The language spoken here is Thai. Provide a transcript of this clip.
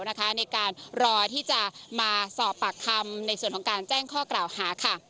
ในการรอที่จะมาสอบปากคำในส่วนของการแจ้งข้อกล่าวหาค่ะ